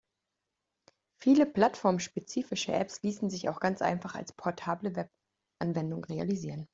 Viele plattformspezifische Apps ließen sich auch ganz einfach als portable Webanwendung realisieren.